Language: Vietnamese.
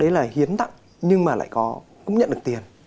đấy là hiến tạng nhưng mà nó lại cũng nhận được giá tiền